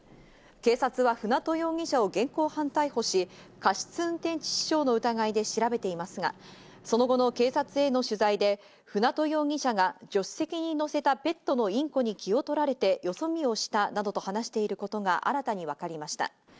警察は舟渡容疑者を現行犯逮捕し、過失運転致死傷の疑いで調べていますがその後の警察への取材で舟渡容疑者が助手席に乗せたペットのインコに気を取られてよそ見をしたなどと話していることが新たに分かりました。